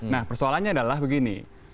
nah persoalannya adalah begini